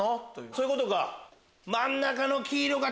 そういうことか！